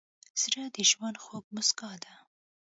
زړه د ژوند خوږه موسکا ده.